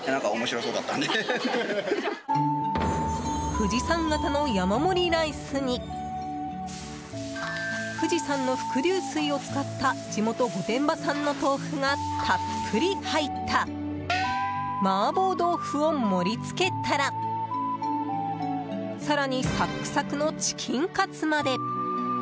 富士山形の山盛りライスに富士山の伏流水を使った地元・御殿場産の豆腐がたっぷり入った麻婆豆腐を盛り付けたら更に、サックサクのチキンカツまで。